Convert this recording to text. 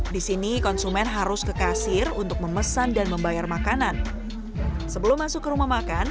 jadi konsumen harus ke kasir untuk memesan dan membayar makanan sebelum masuk ke rumah makan